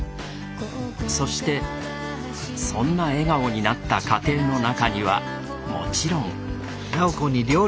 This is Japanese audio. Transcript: そしてそんな笑顔になった家庭の中にはもちろんそれ。